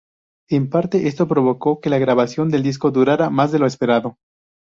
En parte esto provocó que la grabación del disco durara más de lo esperado.